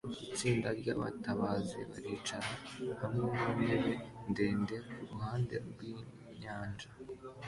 Itsinda ryabatabazi baricara hamwe mu ntebe ndende kuruhande rwinyanja